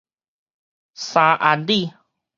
三安里